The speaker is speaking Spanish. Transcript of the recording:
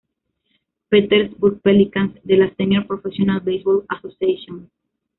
Petersburg Pelicans" de la "Senior Professional Baseball Association".